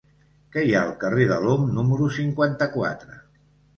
Què hi ha al carrer de l'Om número cinquanta-quatre?